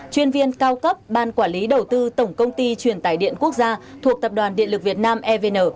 chuyên viên cao cấp ban quản lý đầu tư tổng công ty truyền tải điện quốc gia thuộc tập đoàn điện lực việt nam evn